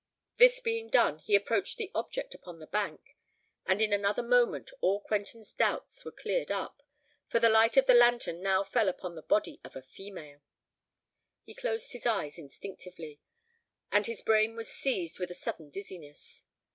This being done, he approached the object upon the bank;—and in another moment all Quentin's doubts were cleared up—for the light of the lantern now fell upon the body of a female! He closed his eyes instinctively—and his brain was seized with a sudden dizziness.